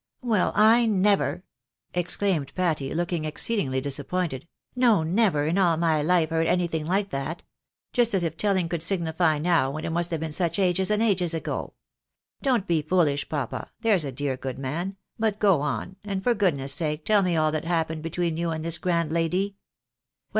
"Well I never!" exclaimed Patty, looking exceedingly dis appointed ; "no never in all my life heard anything Hke that. Just as if telling could signify now, when it must have been such ages and ages ago. Don't be foolish, papa, there's a dear good man, but A PIECE OF DOWNRIGHT HUMBUG. 11 go on, and, for goodness' sake, tell me all that happened between you and this grand lady.